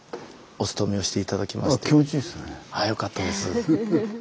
ああよかったです。